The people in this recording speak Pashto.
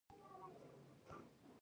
فزیک موږ دننه بیايي.